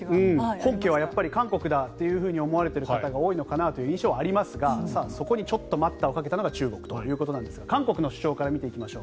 本家はやっぱり韓国だと思われている方が多いのかなという印象がありますがそこにちょっと待ったをかけたのが中国ということですが韓国の主張から見ていきましょう。